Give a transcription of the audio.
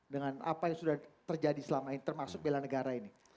dengan apa yang sudah terjadi selama ini termasuk bela negara ini